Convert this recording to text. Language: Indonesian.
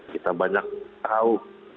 kita banyak tahu